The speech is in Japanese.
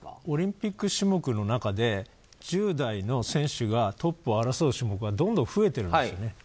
オリンピック種目の中で１０代の選手がトップを争う種目はどんどん増えてるんですね。